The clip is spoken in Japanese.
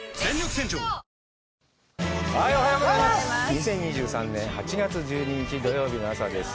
２０２３年８月１２日土曜日の朝です